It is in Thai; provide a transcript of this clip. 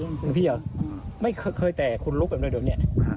ทางผู้ชมพอเห็นแบบนี้นะทางผู้ชมพอเห็นแบบนี้นะ